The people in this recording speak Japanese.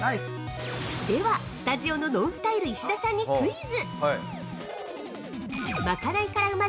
◆ではスタジオのＮＯＮＳＴＹＬＥ石田さんにクイズ！